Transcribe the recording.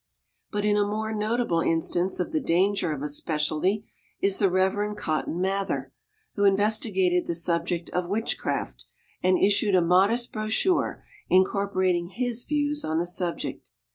But a more notable instance of the danger of a specialty is the Reverend Cotton Mather, who investigated the subject of witchcraft and issued a modest brochure incorporating his views on the subject.